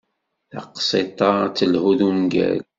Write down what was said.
Taqsiṭ-a ad telhu d ungal.